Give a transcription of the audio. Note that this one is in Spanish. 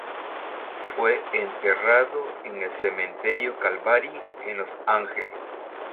Fue enterrado en el Cementerio Calvary, en Los Ángeles.